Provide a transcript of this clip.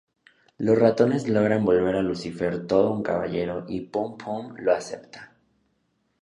Los ratones logran volver a Lucifer todo un caballero y Pom Pom lo acepta.